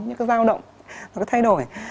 như cái giao động nó cứ thay đổi